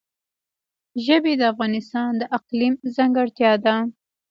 ژبې د افغانستان د اقلیم ځانګړتیا ده.